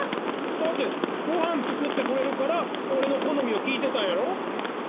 だってごはんつくってくれるからおれのこのみをきいてたんやろ？